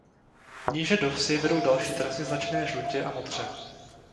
Níže do vsi vedou další trasy značené žlutě a modře.